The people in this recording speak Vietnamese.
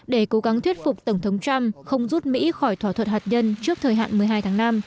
để cố gắng thuyết phục tổng thống trump không rút mỹ khỏi thỏa thuận hạt nhân trước thời hạn một mươi hai tháng năm